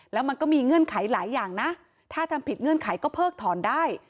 แล้วมันก็มีเงื่อนไขหลายอย่างนะถ้าทำผิดเงื่อนไขก็เพิกถอนได้